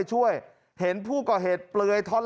ทำไมคงคืนเขาว่าทำไมคงคืนเขาว่า